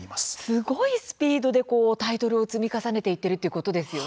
すごいスピードでタイトルを積み重ねていってるっていうことですよね。